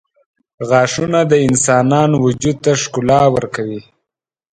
• غاښونه د انسان وجود ته ښکلا ورکوي.